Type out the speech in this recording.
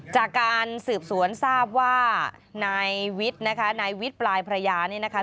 จากการสืบสวนทราบว่านายวิทย์นะคะนายวิทย์ปลายพระยานี่นะคะ